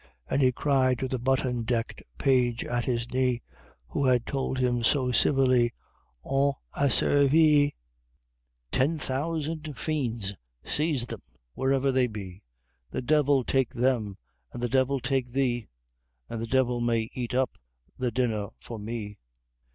And he cried to the button decked Page at his knee, Who had told him so civilly "On a servi," "Ten thousand fiends seize them, wherever they be! The Devil take them! and the Devil take thee! And the DEVIL MAY EAT UP THE DINNER FOR ME!"